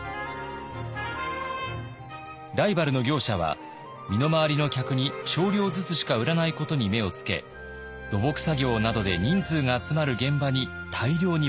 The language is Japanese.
ライバルの業者は身の回りの客に少量ずつしか売らないことに目をつけ土木作業などで人数が集まる現場に大量に持ち込みます。